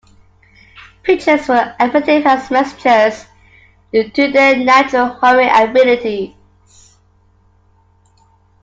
Pigeons were effective as messengers due to their natural homing abilities.